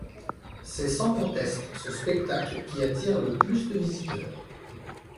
C'est sans conteste ce spectacle qui attire le plus de visiteurs.